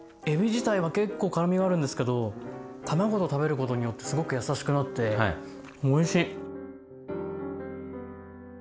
えび自体は結構辛みがあるんですけど卵と食べることによってすごくやさしくなっておいしい。